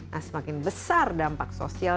nah semakin besar dampak sosial